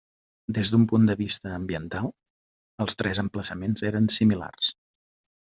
Des d'un punt de vista ambiental, els tres emplaçaments eren similars.